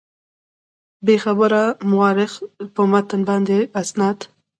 بېخبره مورخ په متن باندې استناد.